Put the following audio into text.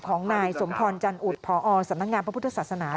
ของนายสมพรจันอุดพอสำนักงานพระพุทธศาสนา